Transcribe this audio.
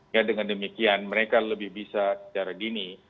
ya dengan demikian mereka lebih bisa secara dini